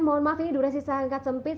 mohon maaf ini durasi sangat sempit